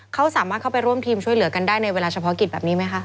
เขาสามารถเข้าไปร่วมทีมช่วยเหลือกันได้ในเวลาเฉพาะกิจแบบนี้ไหมคะ